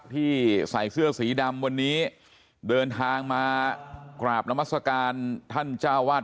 ที่ใส่เสื้อสีดำวันนี้เดินทางมากราบนามัศกาลท่านเจ้าวาด